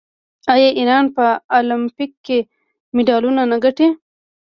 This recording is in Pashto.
آیا ایران په المپیک کې مډالونه نه ګټي؟